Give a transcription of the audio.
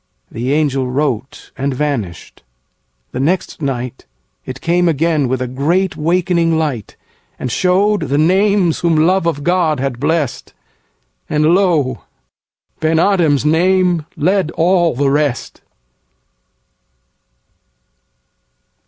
'The angel wrote and vanished. The next nightIt came again with a great wakening light, And showed the names whom love of God had blessed, And lo! Ben Adhem's name led all the rest.